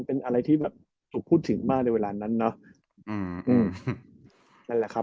เป็นอะไรที่ถูกพูดถึงมากในเวลานั้นนะ